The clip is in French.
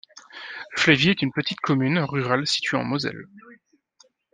Flévy est une petite commune rurale située en Moselle.